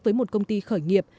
với một công ty khởi nghiệp